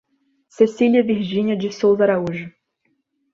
Cecilia Virginia de Souza Araújo